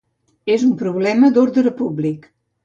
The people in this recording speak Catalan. És un problema d’ordre públic.